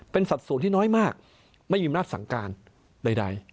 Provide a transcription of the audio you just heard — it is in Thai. เป็นสัดส่วนที่น้อยมากไม่มีอำนาจสั่งการใด